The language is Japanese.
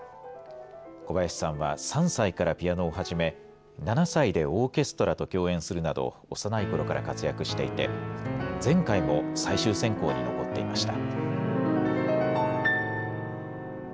小林さんは３歳からピアノを始め７歳でオーケストラと共演するなど幼いころから活躍していて前回も最終選考に残っていました。